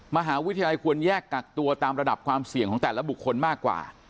มหาวิทยาลัยควรแยกกักตัวตามระดับความเสี่ยงของแต่ละบุคคลมากกว่า